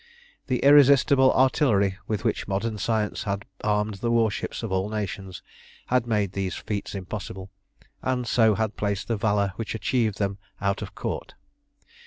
The irresistible artillery with which modern science had armed the warships of all nations had made these feats impossible, and so had placed the valour which achieved them out of court.